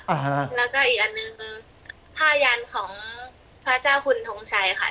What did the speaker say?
อ่าฮะแล้วก็อีกอันหนึ่งผ้ายันของพระเจ้าคุณทงชัยค่ะ